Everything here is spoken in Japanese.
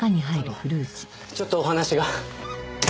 あのちょっとお話が。